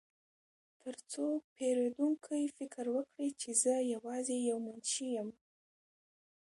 ترڅو پیرودونکي فکر وکړي چې زه یوازې یو منشي یم